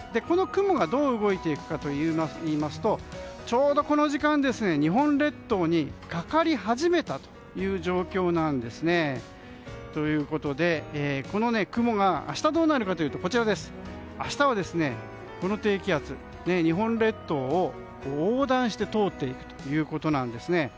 この雲どう動いていくかというとちょうどこの時間日本列島にかかり始めたという状況なんですね。ということでこの雲が明日どうなるかというと明日は、この低気圧日本列島を横断して通っていくということなんですね。